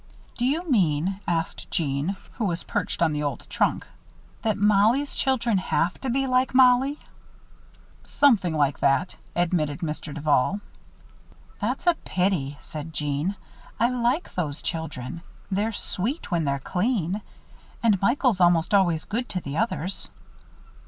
"Do you mean," asked Jeanne, who was perched on the old trunk, "that Mollie's children have to be like Mollie?" "Something like that," admitted Mr. Duval. "That's a pity," said Jeanne. "I like those children. They're sweet when they're clean. And Michael's almost always good to the others."